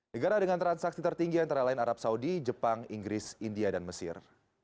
negara dengan transaksi tertinggi antara lain arab saudi jepang inggris india dan mesir